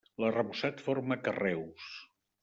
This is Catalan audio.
L'arrebossat forma carreus.